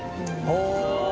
ああ！